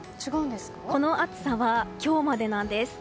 この暑さは今日までなんです。